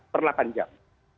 per delapan jam